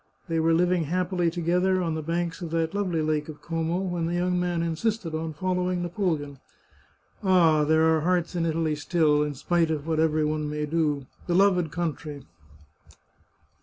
They were living happily together on the banks of that lovely Lake of Como when the young man insisted on following Napoleon. Ah, there are hearts in Italy still, in spite of what every one may do! Beloved country